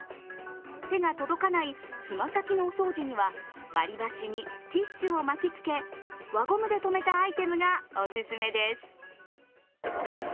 手が届かない爪先のお掃除には割り箸にティッシュを巻き付け輪ゴムでとめたアイテムがおすすめです。